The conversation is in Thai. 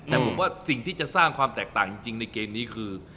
แต่ผมว่าสิ่งที่จะสร้างความแตกต่างจริงในเกมนี้คือ